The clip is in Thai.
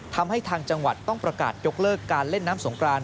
ทางจังหวัดต้องประกาศยกเลิกการเล่นน้ำสงกราน